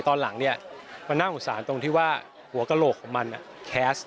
ตอนหลังเนี่ยมันน่าสงสารตรงที่ว่าหัวกระโหลกของมันแคสต์